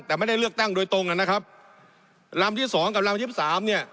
แต่ไม่ได้เลือกตั้งโดยตรงอ่ะนะครับลำที่สองกับลำยี่สิบสามเนี่ย